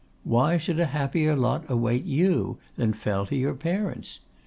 Why should a happier lot await you than fell to your parents?